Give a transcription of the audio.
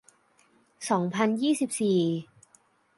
สองพันยี่สิบสี่